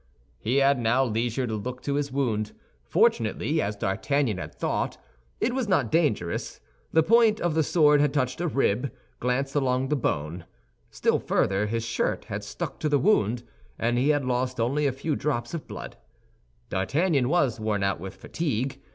He had now leisure to look to his wound. Fortunately, as D'Artagnan had thought, it was not dangerous. The point of the sword had touched a rib, and glanced along the bone. Still further, his shirt had stuck to the wound, and he had lost only a few drops of blood. D'Artagnan was worn out with fatigue.